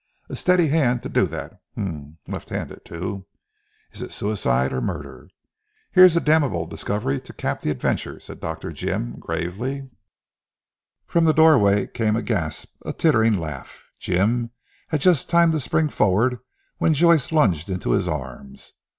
A steady hand to do that. H'm, left handed too. Is it suicide, or murder? Here's a damnable discovery to cap the adventure," said Dr. Jim gravely. From the doorway came a gasp, a tittering laugh. Jim had just time to spring forward when Joyce lunged into his arms.